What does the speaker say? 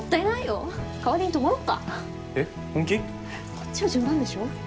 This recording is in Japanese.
こっちは冗談でしょ？